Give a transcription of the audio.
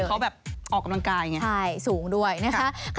เขาแบบออกกำลังกายไงสูงด้วยนะคะ